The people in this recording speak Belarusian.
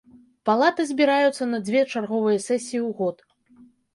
Палаты збіраюцца на дзве чарговыя сесіі ў год.